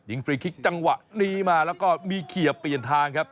ฟรีคลิกจังหวะนี้มาแล้วก็มีเขียบเปลี่ยนทางครับ